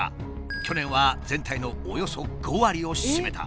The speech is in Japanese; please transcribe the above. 去年は全体のおよそ５割を占めた。